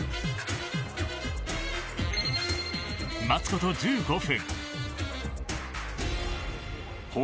待つこと１５分。